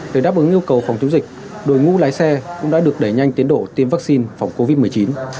để đáp ứng yêu cầu phòng chống dịch đội ngũ lái xe cũng đã được đẩy nhanh tiến độ tiêm vaccine phòng covid một mươi chín